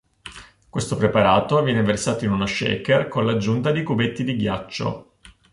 Questo preparato viene versato in uno shaker con l'aggiunta di cubetti di ghiaccio.